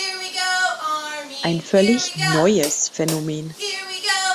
Ein völlig "neues" Phänomen.